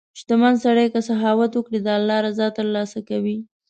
• شتمن سړی که سخاوت وکړي، د الله رضا ترلاسه کوي.